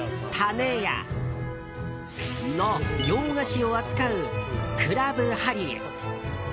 ねやの洋菓子を扱うクラブハリエ。